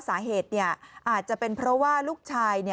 สาเหตุอาจจะเป็นเพราะว่าลูกชาย